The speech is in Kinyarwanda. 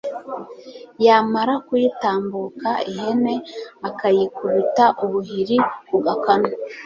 yamara kuyitambuka ,ihene akayikubita ubuhiri ku gakanu